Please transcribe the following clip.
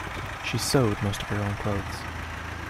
She sewed most of her own clothes.